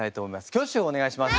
挙手をお願いします。